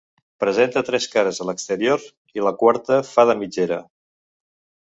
Presenta tres cares a l'exterior i la quarta fa de mitgera.